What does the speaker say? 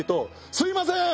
すいません！